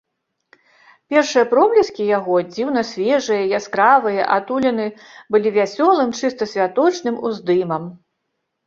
Першыя пробліскі яго, дзіўна свежыя, яскравыя, атулены былі вясёлым, чыста святочным уздымам.